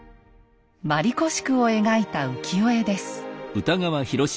鞠子宿を描いた浮世絵です。